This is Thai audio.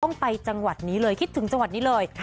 ต้องไปจังหวัดนี้เลยคิดถึงจังหวัดนี้เลย